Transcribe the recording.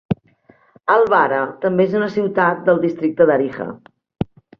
Al-Bara també és una ciutat del districte d'Ariha.